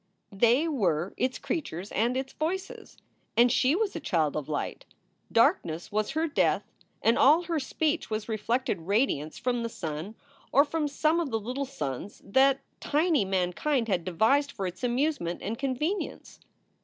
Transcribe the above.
they were its creatures and its voices. And she was a child of light. Darkness was her death, and all her speech was reflected radiance from the sun or from some of the little suns that tiny mankind had devised for its amusement and convenience.